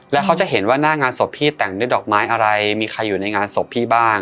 แล้วเขาจะเห็นว่าหน้างานศพพี่แต่งด้วยดอกไม้อะไรมีใครอยู่ในงานศพพี่บ้าง